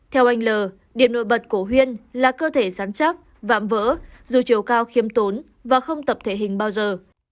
theo anh l điểm nổi bật của huyên là cơ thể sắn chắc vạm vỡ dù chiều cao khiêm tốn và không tập thể hình bao giờ